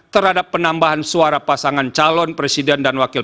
terhadap penambahan suara pasangan calon presiden dan wakil